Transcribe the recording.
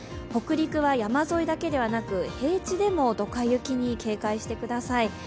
北陸は山沿いだけではなく平地でもドカ雪に警戒してください。